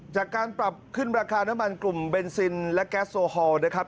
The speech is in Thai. จากการปรับขึ้นราคาน้ำมันกลุ่มเบนซินและแก๊สโซฮอลนะครับ